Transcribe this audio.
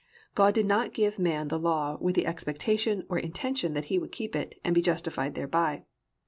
God did not give man the law with the expectation or intention that he would keep it and be justified thereby.